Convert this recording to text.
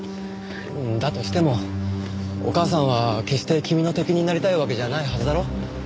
だとしてもお母さんは決して君の敵になりたいわけじゃないはずだろ？